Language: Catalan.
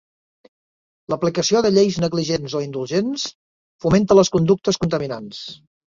L'aplicació de lleis negligents o indulgents fomenta les conductes contaminants.